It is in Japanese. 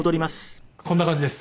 こんな感じです。